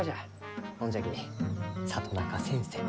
ほんじゃき里中先生